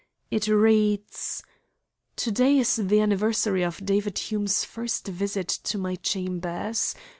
It reads: "To day is the anniversary of David Hume's first visit to my chambers.